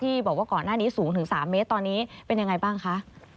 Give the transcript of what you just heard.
บอกว่าก่อนหน้านี้สูงถึง๓เมตรตอนนี้เป็นยังไงบ้างคะ